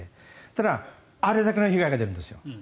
ただ、あれだけの被害が出るんですよ。